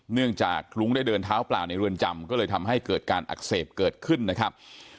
เนื่องจากคลุ้งได้เดินเท้าเปล่าในเรือนจำก็เลยทำให้เกิดการอักเสบเกิดขึ้นนะครับ